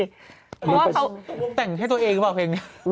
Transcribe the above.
เพราะว่าเขาแต่งให้ตัวเองหรือเปล่าเพลงนี้